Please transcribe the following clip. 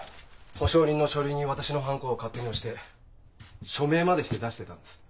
保証人の書類に私のハンコを勝手に押して署名までして出してたんです。